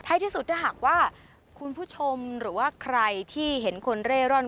ที่สุดถ้าหากว่าคุณผู้ชมหรือว่าใครที่เห็นคนเร่ร่อน